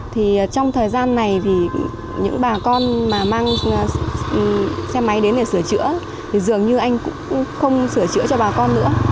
thì trong thời gian này thì những bà con mà mang xe máy đến để sửa chữa thì dường như anh cũng không sửa chữa cho bà con nữa